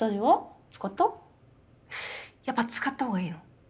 やっぱ使った方がいいの？